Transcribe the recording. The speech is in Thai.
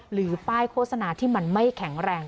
หรือป้ายโฆษณาที่มันไม่แข็งแรง